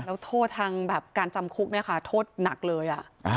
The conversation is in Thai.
แล้วโทษทางการจำคุกไหมคะโทษหนักเลย